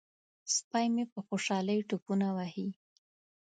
سپی مې په خوشحالۍ ټوپونه وهي.